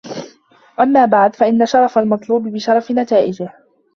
أَمَّا بَعْدُ فَإِنَّ شَرَفَ الْمَطْلُوبِ بِشَرَفِ نَتَائِجِهِ